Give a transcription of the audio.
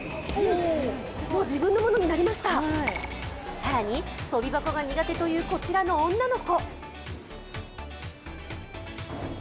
更に跳び箱が苦手というこちらの女の子。